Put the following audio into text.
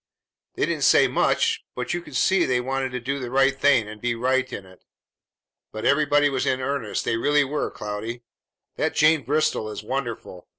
They didn't say much, but you could see they wanted to do the right thing and be right in it. But everybody was in earnest; they really were, Cloudy. That Jane Bristol is wonderful!